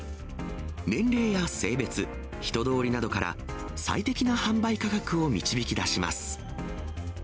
年齢や性別、人通りなどから、最適な販売価格を導き出します。